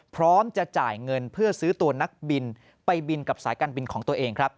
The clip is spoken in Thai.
พร้อมจะจ่ายเงินเพื่อซื้อตัวนักบินไปบินกับสายการบินของตัวเองครับ